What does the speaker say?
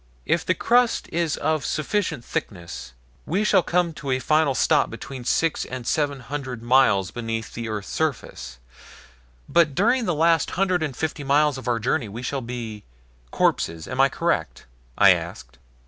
"If the crust is of sufficient thickness we shall come to a final stop between six and seven hundred miles beneath the earth's surface; but during the last hundred and fifty miles of our journey we shall be corpses. Am I correct?" I asked.